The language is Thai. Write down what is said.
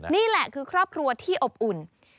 นี่แหละคือครอบครัวที่อบอุ่น